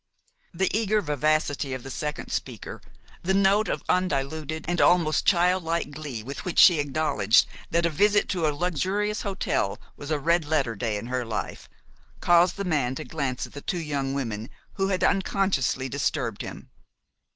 The eager vivacity of the second speaker the note of undiluted and almost childlike glee with which she acknowledged that a visit to a luxurious hotel was a red letter day in her life caused the man to glance at the two young women who had unconsciously disturbed him.